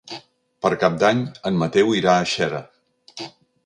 Per Cap d'Any en Mateu irà a Xera.